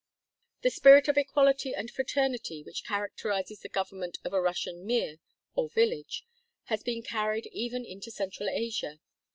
That spirit of equality and fraternity which characterizes the government of a Russian mir, or village, has been carried even into central Asia.